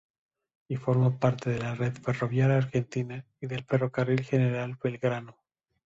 Y forma parte de la red ferroviaria argentina, y del Ferrocarril General Belgrano.